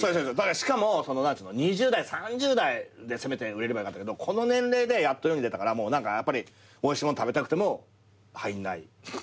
しかも２０代３０代でせめて売れればよかったけどこの年齢でやっと世に出たから何かやっぱりおいしいもん食べたくても入んない。